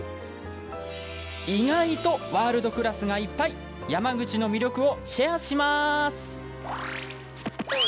意外とワールドクラスがいっぱい山口の魅力をシェアします。